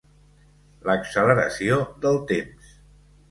L'acceleració del temps